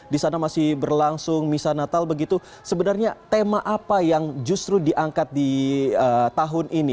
di sana masih berlangsung misa natal begitu sebenarnya tema apa yang justru diangkat di tahun ini